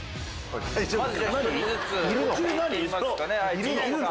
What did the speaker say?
いるのか？